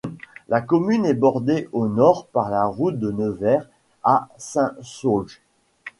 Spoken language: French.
La commune est bordée au nord par la route de Nevers à Saint-Saulge.